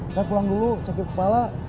saya pulang dulu sakit kepala